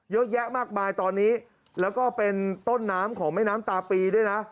เยอะแยะมากมายตอนนี้แล้วก็เป็นต้นน้ำของแม่น้ำตาปีด้วยนะ